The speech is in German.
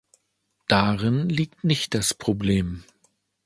Darin liegt nicht das Problem.